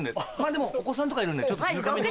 でもお子さんとかいるんでちょっと静かめに。